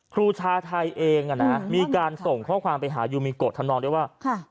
ครูชาไทยเองมีการส่งข้อความไปหายูมิโกะทำนองด้วยว่า